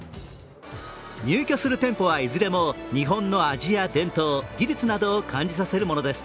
入居する店舗はいずれも日本の味や伝統、技術などを感じさせるものです。